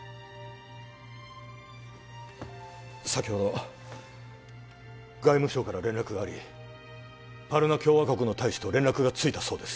先ほど外務省から連絡がありパルナ共和国の大使と連絡がついたそうです